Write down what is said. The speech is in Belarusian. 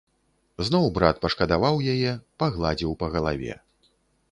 Зноў брат пашкадаваў яе, пагладзіў па галаве.